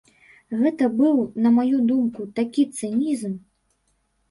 Гэта быў, на маю думку, такі цынізм.